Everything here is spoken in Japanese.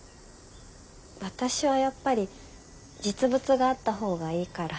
私はやっぱり実物があったほうがいいから。